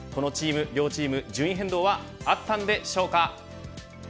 両チーム、順位変動はあったんでしょうか。